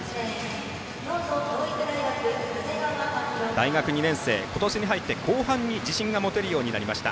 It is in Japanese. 大学２年生、今年に入って後半に自信が持てるようになりました